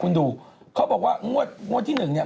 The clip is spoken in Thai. คุณดูเขาบอกว่างวดที่๑เนี้ย